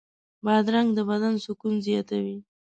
بادرنګ د بدن سکون زیاتوي.